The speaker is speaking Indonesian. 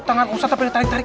tangan ustadz tapi tarik tarik